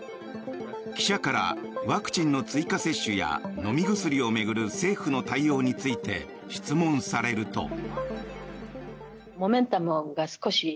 記者からワクチンの追加接種や飲み薬を巡る政府の対応について質問されると。